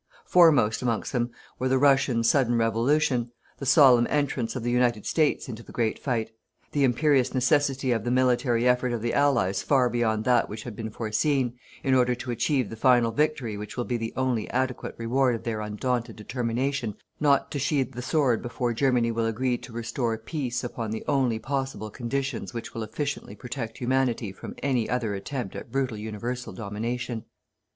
Foremost amongst them were the Russian sudden Revolution, the solemn entrance of the United States into the great fight, the imperious necessity of the military effort of the Allies far beyond that which had been foreseen, in order to achieve the final victory which will be the only adequate reward of their undaunted determination not to sheathe the sword before Germany will agree to restore peace upon the only possible conditions which will efficiently protect humanity from any other attempt at brutal universal domination.